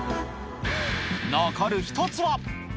残る１つは。